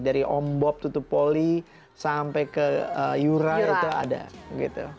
dari ombob tutupoli sampai ke yura itu ada gitu